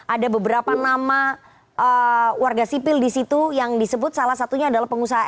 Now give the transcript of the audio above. ada beberapa nama warga sipil disitu yang disebut salah satunya adalah pengusaha rbt ini